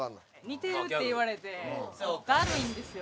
似てるって言われてダルいんですよ